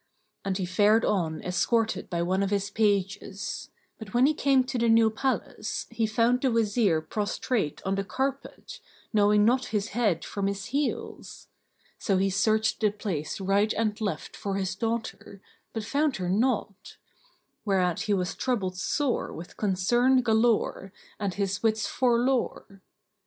And he fared on escorted by one of his pages; but when he came to the new palace, he found the Wazir prostrate on the carpet, knowing not his head from his heels; so he searched the place right and left for his daughter, but found her not; whereat he was troubled sore with concern galore and his wits forlore.